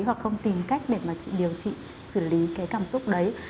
hoặc không tìm cách để mà chị điều trị xử lý cái cảm xúc đấy